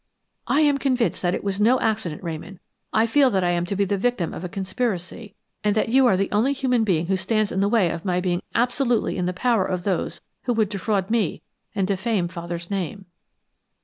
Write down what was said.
"I am convinced that it was no accident. Ramon, I feel that I am to be the victim of a conspiracy; that you are the only human being who stands in the way of my being absolutely in the power of those who would defraud me and defame father's name."